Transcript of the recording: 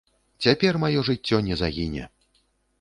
Цяпер маё жыццё не загіне.